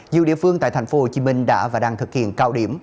nhiều địa phương tại tp hcm đã và đang thực hiện cao điểm